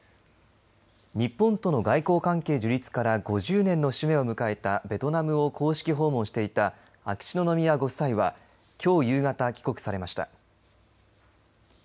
日本との外交関係樹立から５０年の節目を迎えたベトナムを公式訪問していた秋篠宮ご夫妻はきょう夕方、帰国されました。